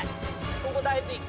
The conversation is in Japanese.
ここ大事。